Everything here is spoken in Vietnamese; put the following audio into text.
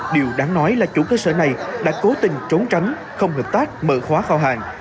điều đáng nói là chủ cơ sở này đã cố tình trốn tránh không hợp tác mở khóa phao hàng